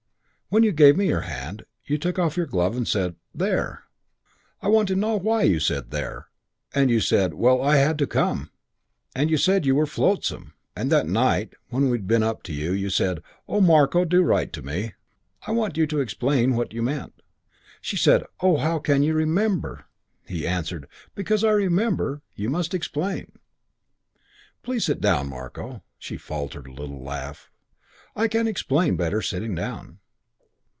when you gave me your hand. You took off your glove and said, 'There!' I want to know why you said 'There!' And you said, 'Well, I had to come.' And you said you were flotsam. And that night when we'd been up to you you said, 'Oh, Marko, do write to me.' I want you to explain what you meant." She said, "Oh, how can you remember?" He answered, "Because I remember, you must explain." "Please let me sit down, Marko." She faltered a little laugh. "I can explain better sitting down."